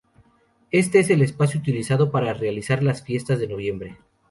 Este es el espacio utilizado para realizar las fiestas de noviembre.